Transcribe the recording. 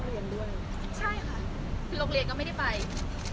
เราก็มีการเลี้ยงลูกอีกแบบหนึ่งอะไรอย่างเงี้ยค่ะ